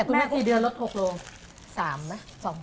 แม่ที่เดือนลด๖ลง